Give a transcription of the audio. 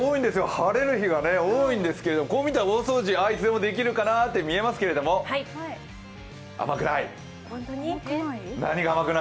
晴れる日が多いんですけどこう見たら大掃除、いつでもできるかなと見えますけれども甘くない！